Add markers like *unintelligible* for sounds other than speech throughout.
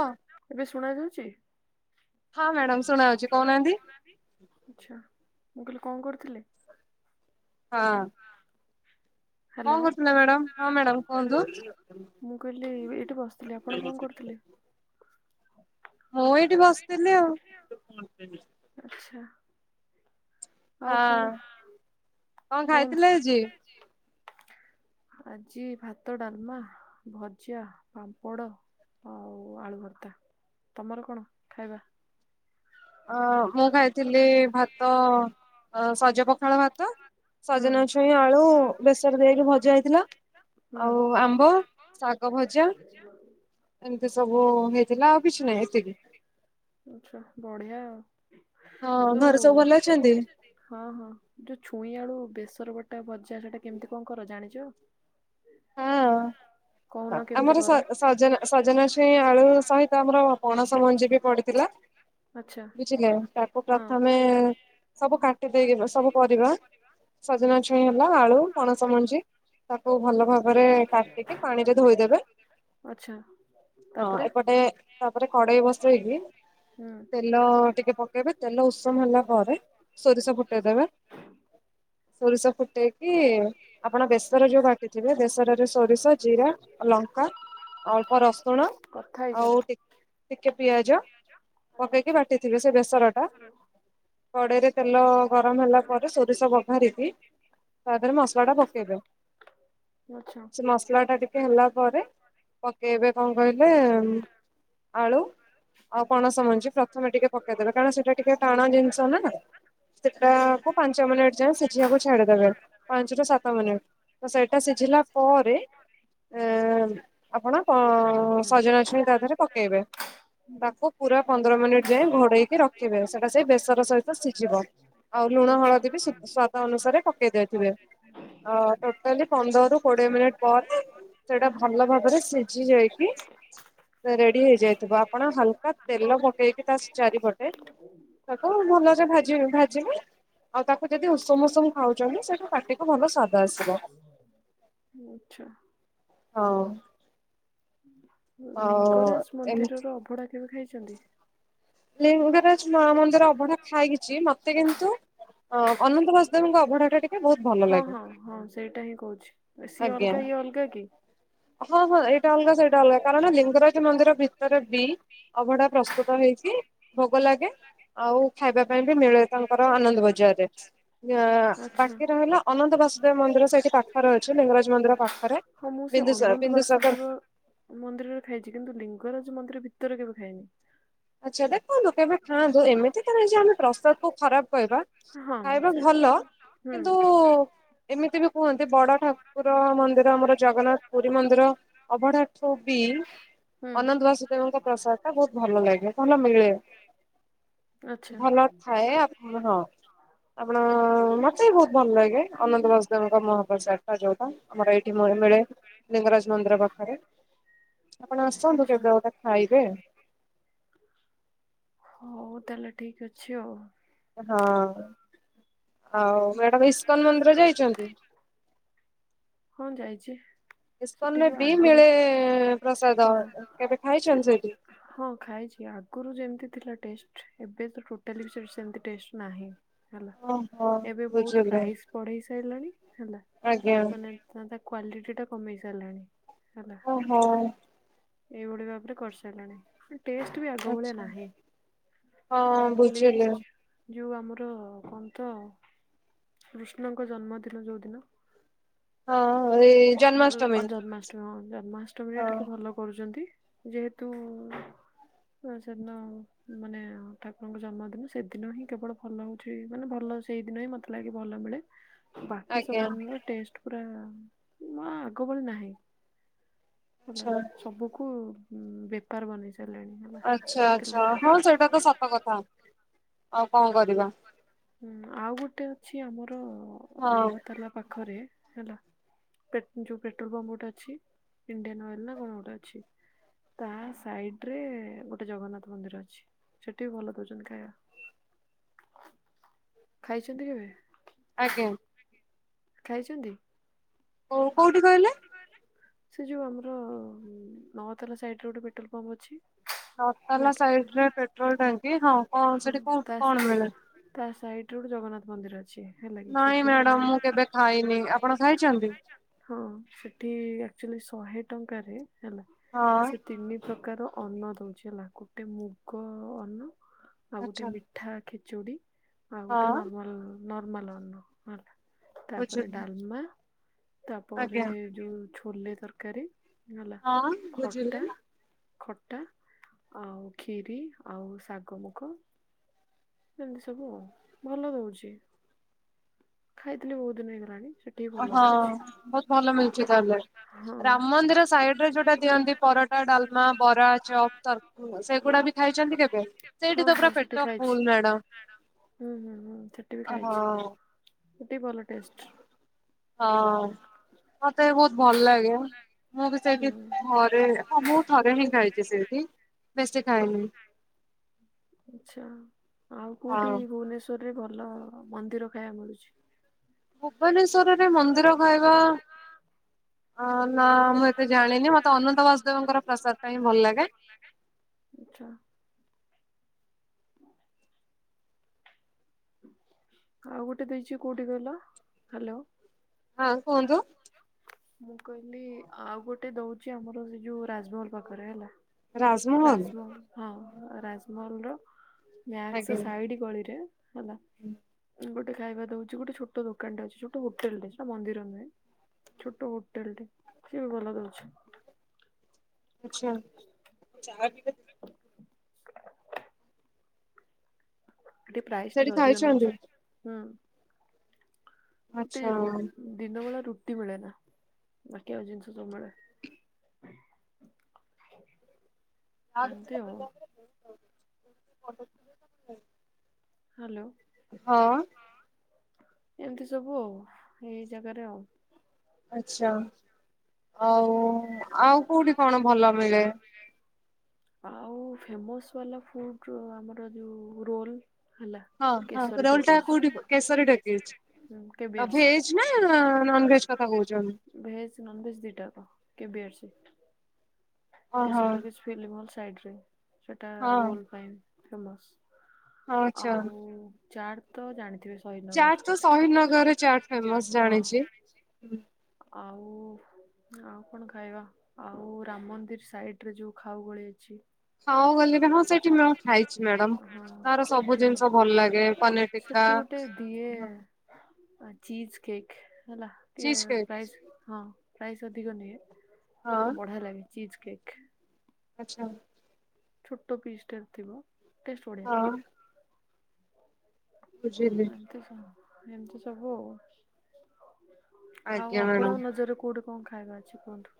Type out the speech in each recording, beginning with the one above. ଅଁ, ଏବେ ଶୁଣା ଯାଉଛି? ହଁ ମ୍ୟାଡ଼ାମ୍ ଶୁଣାଆଉଛି କହୁନାହାନ୍ତି। ଆଚ୍ଛା, ମୁଁ କହିଲି କଁ କରୁଥୁଲେ? ହଁ। କଁ ହ୍ୟାଲୋ। କରୁଥିଲେ ମ୍ୟାଡ଼ମ୍? ହଁ ମ୍ୟାଡ଼ମ୍ କୁହନ୍ତୁ। ମୁଁ କହିଲି ଏଠି ବସିଥିଲି, ଆପଣ କଁ କରୁଥୁଲେ? ମୁଁ ଏଠି ବସିଥିଲି ଆଉ। ଆଚ୍ଛା। ଆଉ କଣ ହଁ କଣ ଖାଇଥିଲେ କୁହନ୍ତୁ। ଆଜି? ଆଜି ଭାତ, ଡାଲମା, ଭଜା, ପାମ୍ପଡ଼ ଆଉ ଆଳୁ ଭର୍ତ୍ତା, ତମର କଣ ଖାଇବା? ଅ ମୁଁ ଖାଇଥିଲି ଭାତ ଅ ସଜପଖାଳ ଭାତ ହୁଁ ସଜନାଛୁଇଁ, ଆଳୁ ବେସର ଦେଇକି ଭଜା ହେଇଥିଲା। ହୁଁ ଆଉ ଆମ୍ବ, ଶାଗ ଭଜା। ଜା ଏମିତି ସବୁ ହେଇଥିଲା ଆଉ କିଛି ନାହିଁ ଏତିକି। ଆଚ୍ଛା ବଢ଼ିଆ ହଁ ଯୋଉ ଘରେ ସବୁ ଭଲ ଅଛନ୍ତି? ହଁ ହଁ ଯୋଉ ଛୁଇଁ ଆଳୁ ବେଶର ବଟା ବଜା ସେଟା କେମିତି କଣ କର ଜାଣିଚ? ହଁ କୋହୁନ କେମତି କର। ସଜନା ସଜନା ଛୁଇଁ ଆଳୁ ସହିତ ପ୍ର ପଣସ ମଞ୍ଜି ବି ପଡ଼ିଥିଲା। ବୁଝିଲେ ତାକୁ ପ୍ରଥମେ ସବୁ କାଟି ଦେଇକି ବ ସବୁ ପରିବା ସଜନା ଛୁ ଏ ହେଲା ଆଳୁ, ପଣସ ମଞ୍ଜି ତାକୁ ଭଲ ଭା ଅରେ କାଟିକି ପାଣିରେ ଧୋଇଦେବେ। ଆଚ୍ଛା ହଁ ତାପରେ ଏପଟେ ତାପରେ କଡ଼େଇ ବସେଇକି ତେଲ ଟିକେ ପକେଇବେ। ତେଲ ଉଷୁମ ହେଲା ପରେ ସୋରିଷ ଫୁଟେଇଦେବେ। ସୋରିଷ ଫୁଟେ ଇ ଆପଣ ବେସର ଯୋଉ ବାଟିଥିବେ ବେସ୍ ଉ ସୋରିଷ, ହୁଁ। ଜିରା ଆଉ ଲଙ୍କା, ଅଳ୍ପ ରସୁଣ କଥା ହେଇଚାଲ ଆଉ ଟି ଟିକେ ପିଆଜ ପକେଇକି ବାଟିଥିବେ ସେ ବେସରଟା, କଡ଼େଇରେ ତେଲ ଗରମ ହେଲା ପରେ ସୋରିଷ ବଘାରିକି ତା ଧେରେ ମସଲାଟା ପକାଇବେ। ଉ ଆଚ୍ଛା। ମସଲାଟା ଟିକେ ହେଲା ପରେ ପକେଇବେ କଁ କହିଲେ ଆଳୁ ଆଉ ପଣସ ମଞ୍ଜି ପ୍ରଥମେ ଟିକେ ପକେଇଦେବେ, କାରଣ ସେଟା ଟିକେ ଟାଣ ଜିନିଷ ନାଁ। ଆଛା। ସେଟାକୁ ପାଞ୍ଚ ମିନିଟ୍ ଯାଏଁ ସିଝିିବାକୁ ଛାଡ଼ିଦେବେ, ପାଞ୍ଚରୁ ସାତ ମିନିଟ୍ ତ ସେଇଟା ସେଇଟା ସିଝିଲା ପରେ ଏଁ ଆପଣ ତ ସଜନା ଛୁଇଁ ତା ଧେରେ ପକେଇବେ। ତାକୁ ପୁରା ପନ୍ଦର ମିନିଟ୍ ଯାଏ ଘୋଡ଼େଇକି ରଖିବେ, ସେଟା ସେଇ ବେସର ସହିତ ସିଝିବ। ଆଉ ଲୁଣ, ଆଛା। ଆଛା ହଳଦୀ ବି ସୁ ସ୍ଵାଦ ଅନୁସାରେ ପକେଇ ଦେଇଥିବେ। ଅ ଟୋଟାଲି ନ୍ଦରୁୁ କୋଡ଼ିଏ ମିନିଟ୍ ପରେ ସେଇଟା ଭଲ ଭାବରେ ସିଝି ଯାଇକି ରେ ରେଡ଼ି ହେଇଯାଇଥିବ। ଆପଣ ହାଲକା ତେଲ ପକେଇକି ତା ସ୍ ଚାରିପଟେ ତାକୁ ଭଲସେ ଭାଜିବେ ଭାଜିବେ ଆଉ ତାକୁ ଯଦି ଉଷୁମ୍ ଉଷୁମ୍ ଖାଉଚନ୍ତି, ସେଇଟା ପାଟିକୁ ଭଲ ସ୍ୱାଦ ଆସିବ। ହଉ। ଆଉ ଲିଙ୍ଗରାଜ ଏମତି ମନ୍ଦିରର ଅଭଡ଼ା କେବେ ଖାଇଛନ୍ତି? ଲିଙ୍ଗରାଜ ମା ମନ୍ଦିର ଅବଢା ଖାଇଛି ମତେ କିନ୍ତୁ ଅ ଅନନ୍ତ ବାସୁଦେବଙ୍କ ଅବଢା ଟା ଟିକେ ବହୁତ ଭଲ ହଁ ଲାଗେ ହଁ ହଁ ସେଇଟା ହିଁ କହୁଛି ସିଏ ଆଜ୍ଞା। ଅଲଗା ଇଏ ଅଲଗା କି? ହଁ ହଁ ଏଇଟା ଅଲଗା, ସେଇଟା ଅଲଗା କାରଣ ଲିଙ୍ଗରାଜ ମନ୍ଦିର ଭିତରେ ବି ଅଭଢା ପ୍ରସ୍ତୁତ ହେଇଛି ଭୋଗ ଲାଗେ। ଆଉ ଖାଇବା ପାଇଁ ବି ମିଳେ, ତାଙ୍କର ଆନନ୍ଦ ବଜାରେ। ଆଛା। ବାକି ରହିଲା ଅନନ୍ତ ବାସୁଦେବ ମନ୍ଦିର ସେଇଠି ପାଖରେ ଅଛି, ଲିଙ୍ଗରାଜ ମନ୍ଦିର ପାଖରେ ହଁ, ମୁଁ ସେ ବିନ୍ଦୁସାର ଅନନ୍ତ ବିନ୍ଦୁସାଗର ବାସୁଦେବ ମନ୍ଦିରରେ ଖାଇଛି, କିନ୍ତୁ ଲିଙ୍ଗରାଜ ମନ୍ଦିର ଭିତରେ କେବେ ଖାଇନି। ଆଚ୍ଛା ଦେଖନ୍ତୁ କେବେ ଖାଆନ୍ତୁ ଏମିତି ତ ନହିଁ ଯେ ଆମେ ପ୍ରସାଦ କୁ ଖରାପ କହିବା ହଁ ଖାଇବା ସେଇଟା ତ ଭଲ, ହୁଁ କିନ୍ତୁ ଏମିତି ବି କୁହନ୍ତି ବଡ ଠାକୁର ମନ୍ଦିର ଆମର ଜଗନ୍ନାଥ ପୁରୀ ମନ୍ଦିର ଅଭଢା ପୁପି ହୁଁ ଅନନ୍ତ ବାସୁଦେବଙ୍କ ପ୍ରସାଦ ଟା ବହୁତ ଭଲ ଲାଗେ, ଭଲ ମିଳେ। ଆଛା। ଭଲ ଥାଏ ଆପଣ ହଁ। ଆପଣ ମତେ ବି ବହୁତ ଭଲ ଲାଗେ ଅନନ୍ତ ବାସୁଦେବଙ୍କୁ ମହାପ୍ରସାଦ ଟା ଯୋଉଟା ଆମର ଏଇଠି ମିଳେ। ଲିଙ୍ଗରାଜ ମନ୍ଦିର ପାଖରେ ଆପଣ ଆସନ୍ତୁ, କେବେ ଆଚ୍ଛା ଗୋଟେ ଖାଇବେ ହଉ ତାହେଲେ ଠିକ୍ ଅଛି ଆଉ ହଁ, ଆଉ ମ୍ୟାଡାମ ଇସ୍କନ ମନ୍ଦିର ଯାଇଛନ୍ତି? ହଁ ଯାଇଛି। ସେଠି ଇସ୍କନରେ ଯୋଉ ବି ଆଗରୁ ମିଳେ ପ୍ରସାଦ ହଁ କେବେ ସେ ଖାଇଛନ୍ତି ସେଠି? ହଁ ଖାଇଛି ଆଗରୁ ଯେମିତି ଥିଲା ଟେଷ୍ଟ, ଏବେ ତ ଟୋଟାଲି ବି ସେ ସେମତି ଟେଷ୍ଟ ନାହିଁ। ହେଲା, ଓହୋ ଏବେ ବହୁତ ବୁଝିଲି ପ୍ରାଇସ୍ ବଢେଇ ସାରିଲାଣି ହେଲା। ଆଜ୍ଞା। ମାନେ ତା କ୍ଵାଲିଟି ଟା କମେଇ ସାରିଲାଣି ହେଲା। ଓହୋ। ଏଇଭଳି ଭାବରେ କରିସାରିଲାଣି। ଟେଷ୍ଟ ବି ଆଗ ଭଳିଆ ଆଚ୍ଛା ନାହିଁ। ହଁ ବୁଝିଲି ଯୋଉ ଆମର କଣ ତ, କୃଷ୍ଣଙ୍କ ଜନ୍ମଦିନ ଯୋଉଦିନ। ହଁ ହଁ। ଜନ୍ମାଷ୍ଟମୀ ହଁ ଜନ୍ମାଷ୍ଟମୀରେ ହଁ। ଟିକେ ଭଲ କରୁଛନ୍ତି। ଯେହେତୁ ସେଦିନ ମାନେ ଠାକୁରଙ୍କ ଜନ୍ମଦିନ ସେଦିନ ହିଁ କେବଳ ଭଲ ହଉ ମାନେ ଭଲ, ସେଇ ଦିନ ହିଁ ମତେ ଲାଗେ ଭଲ ମିଳେ ବାକି ଆଜ୍ଞା ସବୁଦିନର ଟେଷ୍ଟ ପୁରା ନା ଆଗ ଭଳି ନାହିଁ। ହେଲା, ଆଚ୍ଛା ସବୁକୁ ବେପାର ବନେଇ ସାରିଲେଣି ହେଲା, ଆଚ୍ଛା ସେଥି ଆଚ୍ଛା ହଁ ସେଇଟା ତ ସତ କଥା। ଆଉ କଣ କରିବା। ହୁଁ, ଆଉ ଗୋଟେ ଅଛି ଆମର ହଁ ନଅତାଲା ପାଖରେ ହେଲା ଯୋଉ ପେଟ୍ରୋଲ ପମ୍ପ ଗୋଟେ ଅଛି, ଇଣ୍ଡିଆନ ଅଏଲ ନା କଣ ଗୋଟେ ଅଛି। ତା ସାଇଡ ରେ ଗୋଟେ ଜଗନ୍ନାଥ ମନ୍ଦିର ଅଛି ସେଠି ବି ଭଲ ଦଉଛନ୍ତି ଖାଇବା। ଖାଇଛନ୍ତି କେବେ? ଆଜ୍ଞା। ଖାଇଛନ୍ତି? ଓ କୋଉଠି କହିଲେ? ସେ ଯୋଉ ଆମର ନତାଲା ସାଇଡରେ ଗୋଟେ ପେଟ୍ରୋଲ ପମ୍ପ ଅଛି। ହେଲା ନତାଲା କି ସାଇଡ ରେ ପେଟ୍ରୋଲ ଟାଙ୍କି ହଁ କଣ ହଁ ସେଠି ତା କୋଉଠି କଣ ମିଳେ? ତା ସଇଟରେ ଠ ଗୋଟେ ଜଗନ୍ନାଥ ମନ୍ଦିର ଅଛି, ହେଲା କି ନାଇଁ ସେଠି ମ୍ୟାଡାମ ସେମାନେ ନାଇଁ ମୁଁ କେବେ ମ୍ୟାଡାମ ଖାଇନି ଆପଣ କେବେ ଖାଇଛନ୍ତି? ହଁ ସେଠି ଆଚୁଆଲି ଶହେ ଟଙ୍କାରେ ହେଲା ହଁ ସେ ତିନି ପ୍ରକାର ଅନ୍ନ ଦଉଛି, ହେଲା ଗୋଟେ ମୁଗ ଅନ୍ନ ଆଉ ଗୋଟେ ଆଚ୍ଛା ମି ମିଠା ଖିଚୁଡି, ଆଉ ଗୋଟେ ହଁ ନର୍ମାଲ, ନର୍ମାଲ ଅନ୍ନ ହେଲା। ତାପରେ ବୁଝିଲି ଡାଲମା, ତାପରେ ଆଜ୍ଞା ଯୋଉ ଛୋଲେ ତରକାରୀ। ନେଲା, ହଁ ବୁଝିଲି ଖଟା। ଖଟା ଆଉ ଖିରି ଆଉ ଶାଗ ମୁଗ। ଏମିତି ସବୁ, ଆଉ ଭଲ ଦଉଛି, ଖାଇଥିଲି ବହୁତ ଦିନ ହେଇଗଲାଣି ସେ ହଁ ବହୁତ ଭଲ ମିଳୁଛି ତାହେଲେ। ହଁ ରାମ ମନ୍ଦିର ସାଇଡ ରେ ଯୋଉଟା ଦିଅନ୍ତି, ପରଟା, ଡାଲମା, ବରା, ଚପ୍ ତର ଓ ସେଗୁଡା ବି ଖାଇଛନ୍ତି କେବେ? ହଁ ସେଇଠି ତ ପୁରା ସେଠି ପେଟ ଖାଇଛି। Full madam. ହଁ, ହୁଁ, ହୁଁ, ସେଠି ବି ଖାଇଛି ହଁ ସେଠି ବି ଭଲ ଟେଷ୍ଟ। ହଁ, ମତେ ବି ବହୁତ ଭଲ ଲାଗେ। ମୁଁ ବି ହୁଁ ସେଇଠି ଥରେ ମୁଁ ଥରେ ହିଁ ଖାଇଛି ସେଇଠି ବେଶୀ ଖାଇନି *unintelligible* ଆଛା ଆଉ ହଁ କୋଉଠି ଭୁବନେଶ୍ଵର ରେ ଭଲ ମନ୍ଦିର ଖାଇବାକୁ ମିଳୁଛି? ଭୁବନେଶରରେ ମନ୍ଦିର ଖାଇବା ଅ ନା ମୁଁ ଏତେ ଜାଣିନି ମତେ ଅନନ୍ତ ବାସଦେବଙ୍କର ପ୍ରସାଦ ପାଇଁ ହଁ ଭଲ ଲାଗେ। ଆଛା। ଆଉ ଗୋଟେ ଦେଇଛି କୋଉଠି କହିଲ? ହ୍ୟାଲୋ ହଁ କୁହନ୍ତୁ *unintelligible* ମୁଁ କହିଲି ଆ ଆଉ ଗୋଟେ ଦଉଛି ଆମର ସେ ଯୋଉ ରାଜମହଲ ପାଖରେ ହେଲା। ରାଜମହଲ ହଁ ରାଜମହଲ ର ଆଜ୍ଞା ମ୍ୟାସ୍ ସାଇଡିଗଳିରେ। ହେଲା ଗୋଟେ ଖାଇବା ଦଉଛି ଗୋଟେ ଛୋଟ ଦୋକାନଟା ଅଛି ଛୋଟ ହୋଟେଲଟେ ଅଛି ନା ମନ୍ଦିର ନୁହେଁ। ଛୋଟ ହୋଟେଲ ସିଏବି ଭଲ ଦଉଛି। ଆଛା *unintelligible* ଏଠି ପ୍ରାଇସ୍ ସେଠି ଟିକେ ଅଧିକ ନେଉଛି ଖାଇଛନ୍ତି ହୁଁ। ଆଚ୍ଛା। ଏଠିଦିନ ବେଳେ ରୁଟି ମିଳେ ନା ବାକି ଆଉ ଜିନିଷ ସବୁ ମିଳେ। *unintelligible* ଆଉ *unintelligible* ହ୍ୟାଲୋ। ହଁ। ଏମିତି ସବୁ ଆଉ ଏଇ ଜାଗାରେ ଆଉ। ଆଛା ହଉଆଉ କୋଉଠି କଣ ଭଲ ମିଳେ? ଆଉ ଫେମସ୍ ବାଲା ଫୁଡ ଆମର ଯୋଉ ରୋଲ। ହେଲା ହଁ ହଁ କେଶରୀ ରେଲଟା ଟକିଜ୍ କୋଉଠି କେଶରି ଡକେଜ। ହୁଁ କେବି ଆଉ ଅଛି ଭେଜେନା ନନ ଭେଜେ କଥା କହୁଛନ୍ତି। ଭେଜ୍ ନନ୍ ଭେଜ୍ ଦିଟା ଜାକ କେବେଆଛି। ଓହୋ ହଁ। କେଶଟାବି ସ୍ପିଲ ବଲ ସାଇଟ ରେ ସେଟା ହଁ ରୋଲ ପାଇଁ ଫେମସ। ଆଚ୍ଛା ଆଉ ଚାଟ ତ ଜାଣିଥିବେ ସ ଚାଟ୍ ତ ଶହୀଦନଗରରେ ଚାଟ୍ ସହିଦନଗର ଫେମସ ହଁ ଜାଣିଛି। *unintelligible* ଆଉ ଆଉ କଣ ଖାଇବା ଆଉ ରାମ ମନ୍ଦିର ସାଇଡ ରେ ଯୋଉ ଖାଉ ଗଳି ଅଛି। ହଉ ଗଲେ ହଁ, ସେଇଠି ମୁ ଖାଇଛି ମ୍ୟାଡାମ ହଁ ତାର ସେଠି ସବୁ ଜିନିଷ ଭଲ ଲାଗେ ପନିର ଟିକା। ଟେ ଦିଏ। ଆ ଚୀଜ କେକ୍ ହେଲା ଟିକେ ଚିଜ କେକ୍ ପ୍ରାଇସ୍ ହଁ। ପ୍ରାଇସ୍ ଅଧିକ ନିଏ ହଁ ବଢିଆ ଲାଗେ ଚିଜ କେକ୍। ଆଚ୍ଛା ଛୋଟ ପିସ୍ ଟେ ଥିବ। ବଢିଆ ହଁ ବୁଝିଲି ଏମିତି ସବୁ ଆଉ ଆଉ ଆଜ୍ଞା ମ୍ୟାଡ଼ାମ। ଆପଣଙ୍କ ନଜରରେ କୋଉଠି କଣ ଖାଇବା ଅଛି କୁହନ୍ତୁ।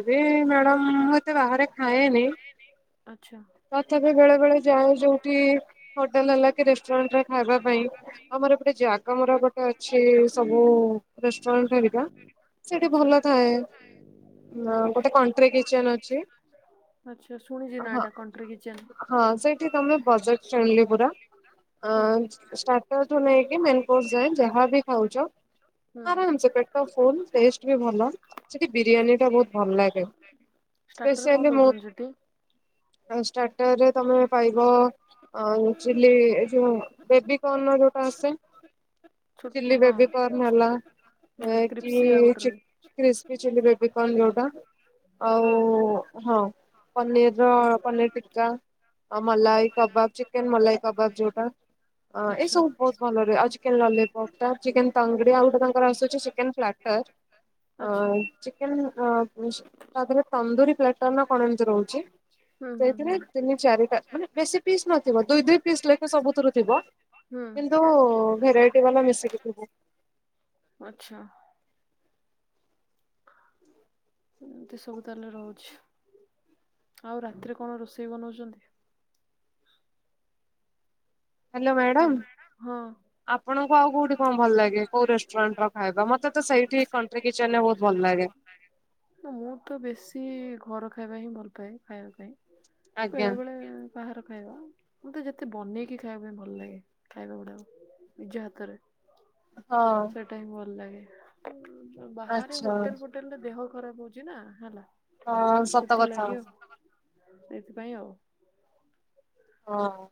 ଏବେ ମ୍ୟାଡ଼ାମ ମୁଁ ଏତେ ବାହାରେ ଖାଏନି। ଆଛା ତଥାପି ବେଳେ ବେଳେ ଯାଉ ଯୋଉଠି ହୋଟେଲ ହେଲା କି ରେଷ୍ଟୁରାଣ୍ଟ ରେ ଖାଇବା ପାଇଁ ଆମର ଗୋଟେ ଜାଗା ଆମର ଗୋଟେ ଅଛି ସବୁ ରେଷ୍ଟୁରାଣ୍ଟ ଘରିକା ସେଠି ଆଚ୍ଛା ଭଲ ହେ ଗୋଟେ କଣ୍ଟା ବି କିଚେନ ଅଛି ଆଚ୍ଛା ଶୁଣିଛି ନା ହଁ, ଟା କଣ୍ଟ୍ରି କିଚେନ ହଁ ସେଇଠି ତମେ ବଜେଟ୍ ଫ୍ରେଣ୍ଡଲି ପୁରା ହୁଁ ଷ୍ଟାର୍ଟର ନେଇକି ମେନ୍ କୋର୍ସ୍ ଯାଏ ଯାହାବ ଖାଉଛ ହୁଁ ଆରାମ ସେ ପେଟ ଫୁଲ ଟେଷ୍ଟ ବି ଭଲ ସେଠି ବିରିୟାନୀ ଟା ବହୁତ ଭଲ ଲାଗେ। ଷ୍ଟାର୍ଟର ରେ କଣ ଦଉଛନ୍ତି ସେଠି? ଆଉ ଷ୍ଟାର୍ଟର ରେ ତମେ ପାଇବ ଚିଲି ଏ ଯୋଉ ବେବି କଣ ନେବାକୁ ଆସେ। ଛୋ ଚିଲ୍ଲି ହଁ ବେବି କର୍ଣ ହେଲା ହୁଁ କି କ୍ରିପ୍ସିଆ ଗୋଟେ ର ଚିକ୍ କ୍ରିସ୍ପି ଚିଲି ବେବୀ କର୍ନ ଯୋଉଟା ଆଉ ହଁ ହଁ। ପନିର ପନିର ଟିକା, ଆଉ ମଲାଇ କବାଵ୍ ଚିକେନ କବାଵ୍ ଯଉଟା। ଅଁ ଏ ଆଚ୍ଛା ସବୁ ବହୁତ ଭଲ ରୁହେ, ଆଉ ଚିକେନ ଲଲିପପ୍ ଟା ଚିକେନ ତଙ୍ଗଡି ଆଉ ଗୋଟେ ତାଙ୍କର ଆସୁଛି ଚିକେନ ପ୍ଲାଟର ଅ ଆଚ୍ଛା ଚିକେନ ତାପରେ ତନ୍ଦୁରୀ ପ୍ଲାଟର ନା କଣ ଏମିତି ରହୁଛି। ହୁଁ ହୁଁ ହୁଁ ସେଇଥିରେ ତିନି ଚାରିଟା ମାନେ ବେଶୀ ପିସ୍ ନଥିବ ଦୁଇ ଦିଇ ପିସ୍ ଲେଖ ସବୁଥିରୁ ଥିବ। ହୁଁ କିନ୍ତୁ ଭେରାଇଟି ବାଲା ମିଶିକି ଥିବ। ଆଛା ଏମିତି ସବୁ ତ ହେଲେ ରହୁଛି। ଆଉ ରାତିରେ କଣ ରୋଷେଇ ବନଉଛନ୍ତି? Hello madam. ହଁ ଆପଣଙ୍କୁ ଆଉ କୋଉଠି କଣ ଭଲ ଲାଗେକୋଉ ରେଷ୍ଟୁରାଣ୍ଟ ର ଖାଇବା ମତେ ତ ସେଇଠି କଣ୍ଟ୍ରି କିଚେନରେ ବହୁତ ଭଲ ଲାଗେ। ମୁଁ ତ ବେଶୀ ଘର ଖାଇବା ହିଁ ଭଲ ପାଏ ଖାଇବା ପାଇଁ ଆଜ୍ଞା। ବେଳେ ବେଳେ ବାହାର ଖାଇବା ମତେ ଯେତେ ବନେଇକି ଖାଇବା ପାଇଁ ଭଲ ଲାଗେ ଖାଇବା ଗୁଡାକ ନିଜ ହାତରେ। ହଁ ସେଟା ହଁ ଭଲ ଲାଗେ ବାହାରେ ଆଚ୍ଛା ହୋଟେଲ ଫୋଟେଲରେ ଦେହ ଖରାପ ହଉଛି ନା ହେଲା। ହଁ ସତ କଥା ସେଥିଲାଗି ଆଉ ସତ କଥା ସେଇଥିପାଇଁ ଆଉ। ହଁ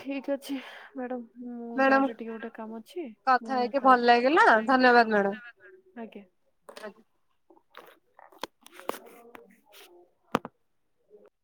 ଠିକ୍ ଅଛି ମ୍ୟାଡ଼ମ୍। ମୁଁ ମ୍ୟାଡାମ ଯାଉଛି ଟିକେ ଗୋଟେ କାମ ଅଛି, କଥା ମୁଁ ହେଇକି କର ଭଲ ଲାଗିଲା ଧନ୍ୟବାଦ ଧନ୍ୟ ମ୍ୟାଡାମ। ବାଦ ଆଜ୍ଞା। ଆଜ୍ଞା। *unintelligible*